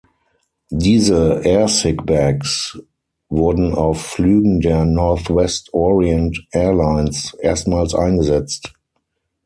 Diese "air sick bags" wurden auf Flügen der Northwest Orient Airlines erstmals eingesetzt.